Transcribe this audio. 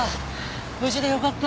無事でよかった。